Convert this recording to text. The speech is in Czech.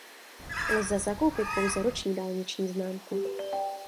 Lze zakoupit pouze roční dálniční známku.